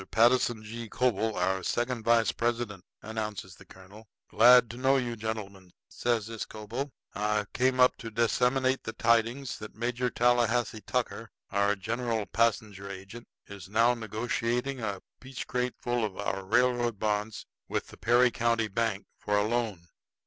Patterson G. Coble, our second vice president," announces the colonel. "Glad to know you, gentlemen," says this Coble. "I came up to disseminate the tidings that Major Tallahassee Tucker, our general passenger agent, is now negotiating a peachcrate full of our railroad bonds with the Perry County Bank for a loan.